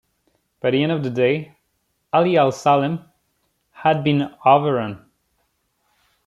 By the end of the day, Ali Al Salem had been overrun.